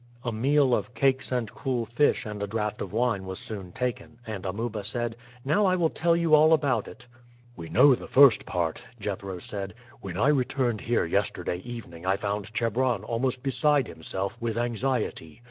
A meal of cakes and cool fish and a draught of wine was soon taken; and Amuba said, "Now I will tell you all about it." "We know the first part," Jethro said. "When I returned here yesterday evening I found Chebron almost beside himself with anxiety.